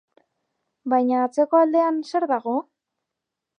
Baina atzeko aldean, zer dago?